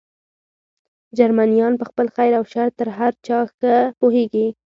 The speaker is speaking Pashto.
جرمنیان په خپل خیر او شر تر هر چا ښه پوهېږي.